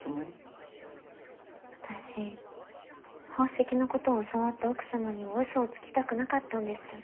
私宝石のことを教わった奥様には嘘をつきたくなかったんです。